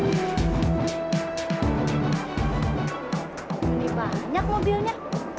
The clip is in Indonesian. ini banyak mobilnya